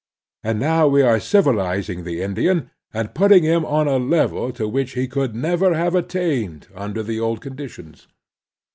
And now we are civilizing the Indian and putting him on a level to which he could never have attained imder the old conditions.